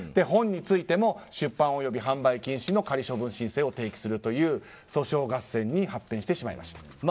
本についても出版及び販売禁止の仮処分申請を提起するという訴訟合戦に発展してしまいました。